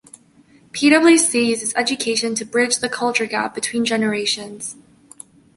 PwC uses education to bridge the culture gap between generations.